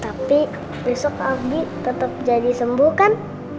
tapi besok abi tetep jadi sembuh kan